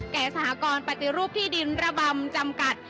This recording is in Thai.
สหกรณ์ปฏิรูปที่ดินระบำจำกัด